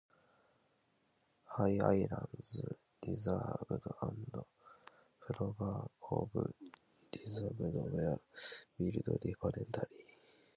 High Island Reservoir and Plover Cove Reservoir, were built differently.